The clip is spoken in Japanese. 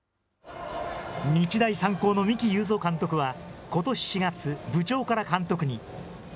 日大三高の三木有造監督はことし４月、部長から監督に。